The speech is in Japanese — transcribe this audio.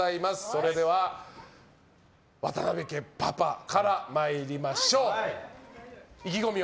それでは渡邉家のパパから参りましょう。